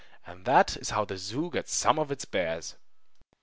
And that is how the zoo gets some of its bears.